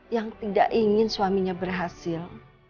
yang tidak ingin suaminya berhasil